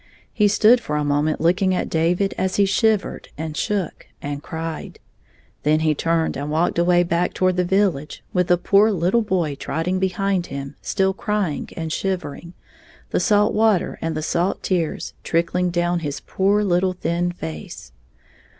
He stood for a moment looking at David as he shivered, and shook, and cried ; then he turned and walked away back toward the vil lage, with the poor Uttle boy trotting behind him still crying and shivering, the salt water and the salt tears trickling down his poor little thin face.